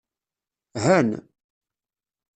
Han.